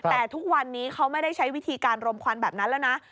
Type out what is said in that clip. แต่ทุกวันนี้เขาไม่ได้ใช้วิธีการรมควันแบบนั้นแล้วนะ